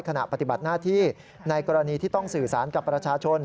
ขณะปฏิบัติหน้าที่ในกรณีที่ต้องสื่อสารกับประชาชน